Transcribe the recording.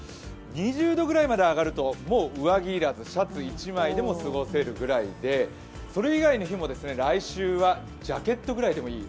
２０度ぐらいまで上がると上着要らず、シャツ１枚でも過ごせるぐらいで、それ以外の日も来週はジャケットぐらいでもいい。